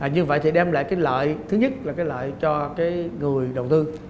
như vậy thì đem lại cái lợi thứ nhất là cái lợi cho cái người đầu tư